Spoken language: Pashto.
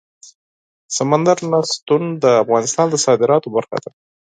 سمندر نه شتون د افغانستان د صادراتو برخه ده.